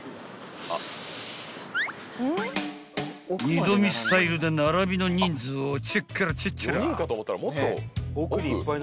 ［二度見スタイルで並びの人数をチェッケラチェッチェラ］